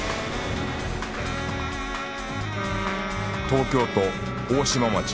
東京都大島町